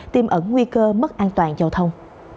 tiêm ẩn nguy cơ mất an toàn giao thông